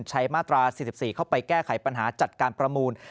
มาตรา๔๔เข้าไปแก้ไขปัญหาจัดการประมูล